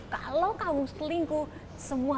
kalau kamu selingkuh semua